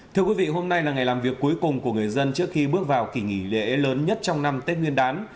thưa quý vị hôm nay là ngày làm việc cuối cùng của người dân trước khi bước vào kỷ nghỉ lễ lớn nhất trong năm tết nguyên đán